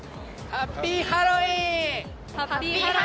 ハッピーハロウィーン。